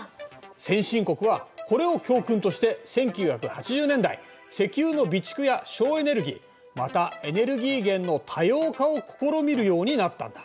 先進国はこれを教訓として１９８０年代石油の備蓄や省エネルギーまたエネルギー源の多様化を試みるようになったんだ。